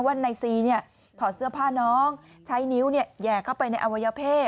ว่านายซีเนี่ยถอดเสื้อผ้าน้องใช้นิ้วเนี่ยแยกเข้าไปในอวัยเภท